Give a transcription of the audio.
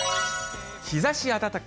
日ざし暖か。